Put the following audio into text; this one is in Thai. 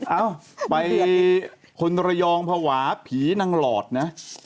เอ้าไปคนระยองภาวะผีนางหลอดนะ